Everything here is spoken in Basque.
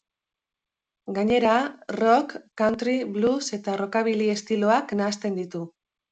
Gainera, rock, country, blues eta rockabilly estiloak nahasten ditu.